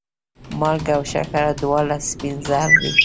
مالګه او شکره دواړه سپین زهر دي.